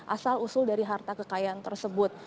asal usul dari harta kekayaan tersebut